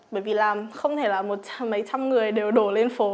bởi vì làm không thể là một trăm mấy trăm người đều đổ lên phố